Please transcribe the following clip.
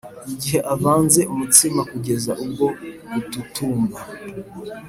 igihe avanze umutsima kugeza ubwo ututumba.